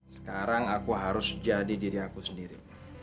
sekarang aku harus jadi diri aku sendiri